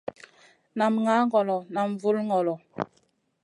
Nam ŋah ŋolo nam vul ŋolo.